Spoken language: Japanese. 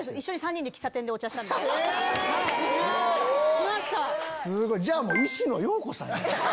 しました！